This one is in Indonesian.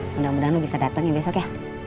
mudah mudahan lo bisa datang ya besok ya